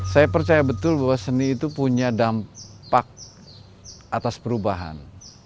saya percaya betul bahwa seni itu punya dampak atas perubahan